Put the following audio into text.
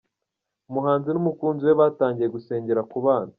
Umuhanzi n’umukunzi we batangiye gusengera kubana